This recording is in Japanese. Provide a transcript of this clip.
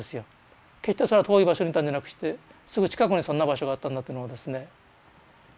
決してそれは遠い場所にいたんじゃなくしてすぐ近くにそんな場所があったんだっていうのをですね。